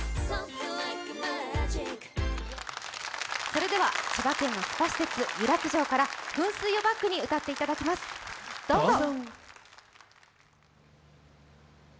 それでは千葉県のスパ施設、湯楽城から噴水をバックに歌っていただきます、どうぞ。